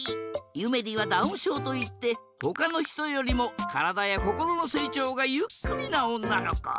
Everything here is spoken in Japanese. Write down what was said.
ゆめりはダウンしょうといってほかのひとよりもからだやこころのせいちょうがゆっくりなおんなのこ。